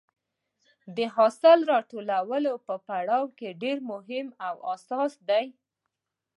د حاصل راټولولو پړاو ډېر مهم او حساس دی.